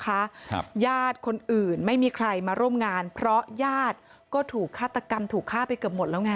ครับญาติคนอื่นไม่มีใครมาร่วมงานเพราะญาติก็ถูกฆาตกรรมถูกฆ่าไปเกือบหมดแล้วไง